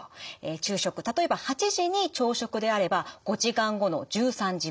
昼食例えば８時に朝食であれば５時間後の１３時ぐらい。